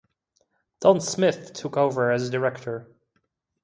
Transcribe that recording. Don Smith took over as director.